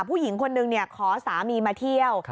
ผู้หญิงคนนึงขอสามีมาเที่ยว